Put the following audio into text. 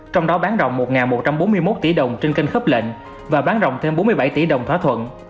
trong đó bán rộng một một trăm bốn mươi một tỷ đồng trên kênh khớp lệnh và bán rộng thêm bốn mươi bảy tỷ đồng thỏa thuận